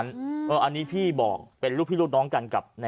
ชาวบ้านญาติโปรดแค้นไปดูภาพบรรยากาศขณะ